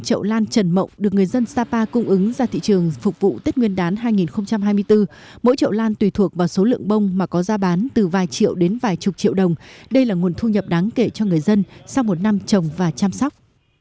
trậu lan trần mộng được người dân sapa cung ứng ra thị trường phục vụ tết nguyên đán hai nghìn hai mươi bốn mỗi trậu lan tùy thuộc vào số lượng bông mà có ra bán từ vài triệu đến vài chục triệu đồng đây là nguồn thu nhập đáng kể cho người dân sau một năm trồng và chăm sóc